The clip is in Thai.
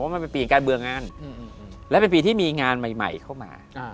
เพราะว่ามันเป็นปีการเบื่องานและเป็นปีที่มีงานใหม่เข้ามา